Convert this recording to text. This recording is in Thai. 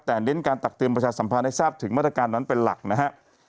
แต่เน้นการตักเตือนประชาสัมพันธ์ให้ทราบถึงมาตรการนั้นเป็นหลักนะฮะ